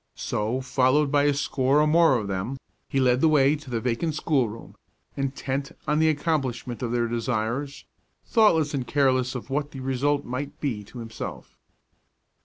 So, followed by a score or more of them, he led the way to the vacant schoolroom, intent on the accomplishment of their desires, thoughtless and careless of what the result might be to himself.